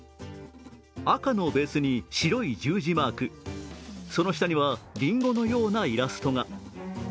赤のベースに白い十字マーク、その下には、りんごのようなイラストが。